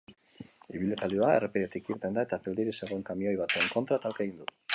Ibilgailua errepidetik irten da eta geldirik zegoen kamioi baten kontra talka egin du.